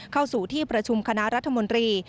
เข้าสู่ที่ประชุมคณะรัฐมนตรี